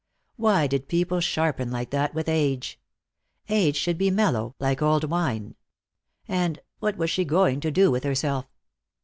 Why did people sharpen like that with age? Age should be mellow, like old wine. And what was she going to do with herself?